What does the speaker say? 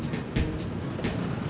tidak ada yang bisa dihukum